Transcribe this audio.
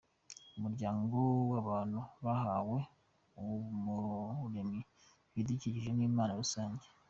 Umuryango w’abantu wahawe n’Umuremyi ibidukikije nk’impano rusange.